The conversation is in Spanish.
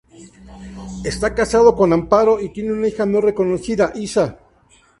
Está casado con Amparo y tiene una hija no reconocida: Isa.